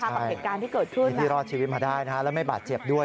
ต่างจากเอกการที่เกิดขึ้นนะที่รอดชีวิตมาได้นะครับและไม่บาดเจ็บด้วย